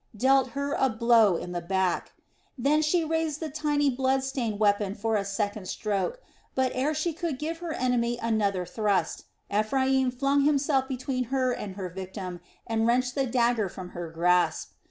dealt her a blow in the back. Then she raised the tiny blood stained weapon for a second stroke; but ere she could give her enemy another thrust, Ephraim flung himself between her and her victim and wrenched the dagger from her grasp.